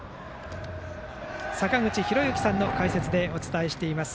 坂口裕之さんの解説でお伝えしています。